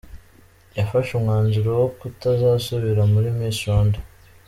Yafashe umwanzuro wo kutazasubira muri Miss Rwanda.